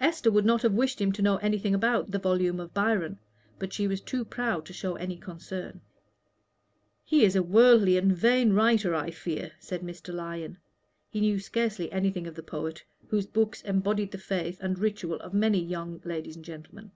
Esther would not have wished him to know anything about the volume of Byron, but she was too proud to show any concern. "He is a worldly and vain writer, I fear," said Mr. Lyon. He knew scarcely anything of the poet, whose books embodied the faith and ritual of many young ladies and gentlemen.